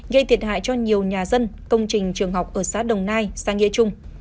gây thiệt hại cho nhiều nhà dân công trình trường học ở xã đồng nai xã nghĩa trung